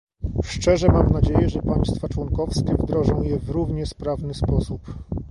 Szczerzę mam nadzieję, że państwa członkowskie wdrożą je w równie sprawny sposób